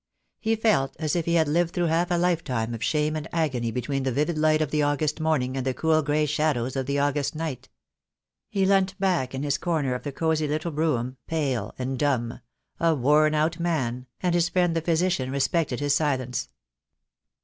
He felt as if he had lived through half a life time of shame and agony be tween the vivid light of the August morning and the cool grey shadows of the August night. He leant back in his corner of the cosy little brougham, pale and dumb, a worn out man, and his friend the physician respected his silence.